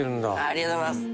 ありがとうございます。